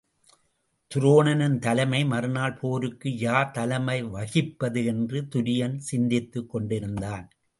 துரோணனின் தலைமை மறுநாள் போருக்கு யார் தலைமை வகிப்பது என்று துரியன் சிந்தித்துக் கொண்டிருந்தான்.